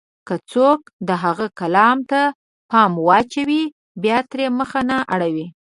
که څوک د هغه کلام ته پام واچوي، بيا ترې مخ نه اړوي.